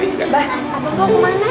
abang mau kemana